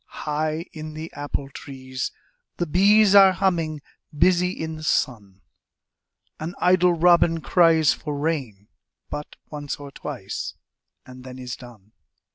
High in the apple trees the bees Are humming, busy in the sun, An idle robin cries for rain But once or twice and then is done.